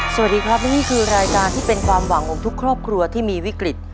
สวัสดีครับและนี่คือรายการที่เป็นความหวังของทุกครอบครัวที่มีวิกฤต